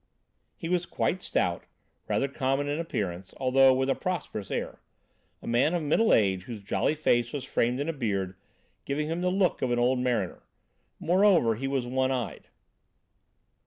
He was quite stout, rather common in appearance, although with a prosperous air. A man of middle age, whose jolly face was framed in a beard, giving him the look of an old mariner. Moreover, he was one eyed.